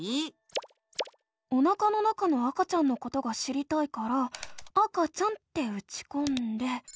おなかの中の赤ちゃんのことが知りたいから「赤ちゃん」ってうちこんで。